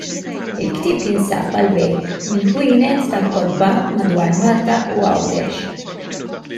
Il-ktieb jinsab għall-bejgħ mill-ħwienet tal-kotba madwar Malta u Għawdex.